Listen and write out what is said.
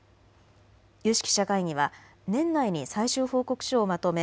有識者会議は年内に最終報告書をまとめ